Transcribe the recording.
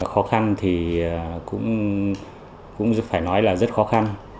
khó khăn thì cũng phải nói là rất khó khăn